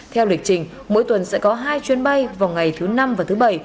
theo lịch trình mỗi tuần sẽ có hai chuyến bay vào ngày thứ năm và thứ bảy